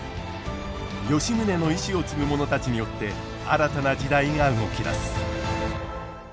吉宗の遺志を継ぐ者たちによって新たな時代が動き出す。